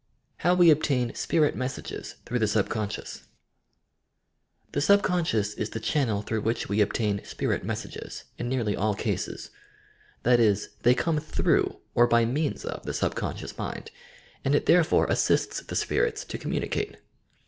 HOW WE OBTAIN SPIRIT MESSAGES TEBOUGB THE SUBCONSCIOUS The subconscious is the chaime! through which we obtain spirit messages, in nearly all cases. That Is, they come through, or by means of, the subconscious mind, and it, therefore, assists the "spirits" to communicate.